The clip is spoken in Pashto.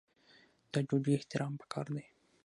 د ډوډۍ احترام پکار دی.